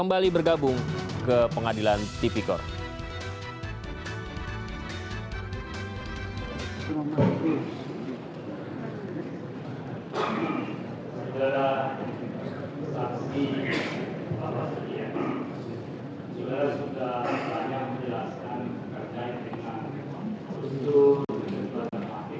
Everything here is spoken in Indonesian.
masa berani nunggu dia selesai dulu pak